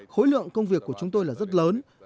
khối lượng công việc của chúng tôi là rất lớn